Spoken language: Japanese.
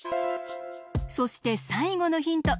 そしてさいごのヒント